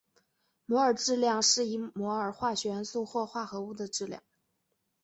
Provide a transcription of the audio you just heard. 摩尔质量是一摩尔化学元素或者化合物的质量。